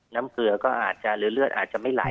เกลือก็อาจจะหรือเลือดอาจจะไม่ไหล